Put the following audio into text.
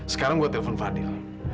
sekarang gue telpon fadil